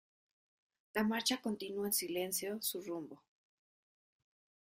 La marcha continuó en silencio su rumbo.